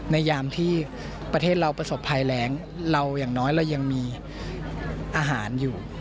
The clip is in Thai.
ยามที่ประเทศเราประสบภัยแรงเราอย่างน้อยเรายังมีอาหารอยู่